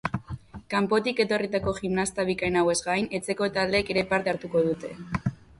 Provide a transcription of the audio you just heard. Kanpotik etorritako gimnasta bikain hauez gain, etxeko taldeek ere parte hartuko dute.